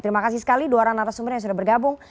terima kasih sekali dua orang narasumber yang sudah bergabung